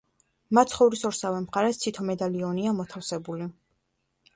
მაცხოვრის ორსავე მხარეს თითო მედალიონია მოთავსებული.